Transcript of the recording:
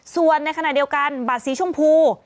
ส่วนในขณะเดียวกันบัตรสีชมพู